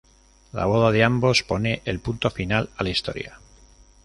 La boda de ambos pone el punto final a la historia.